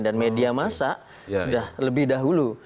dan media masa sudah lebih dahulu